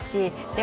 で